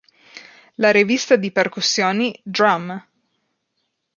La rivista di percussioni, "Drum!